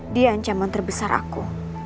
dia ancaman terbesar aku